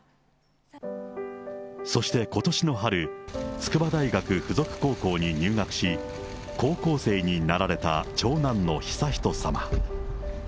そしてことしの春、筑波大学附属高校に入学し、高校生になられた長男の悠仁さま。